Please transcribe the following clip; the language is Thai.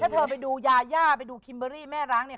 ถ้าเธอไปดูยาย่าไปดูคิมเบอรี่แม่ร้างเนี่ย